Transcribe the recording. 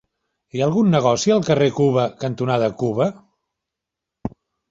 Hi ha algun negoci al carrer Cuba cantonada Cuba?